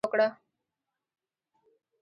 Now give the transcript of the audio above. هغه هم روان شو یوه خوشکه یې وکړه.